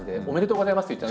「おめでとうこざいます！」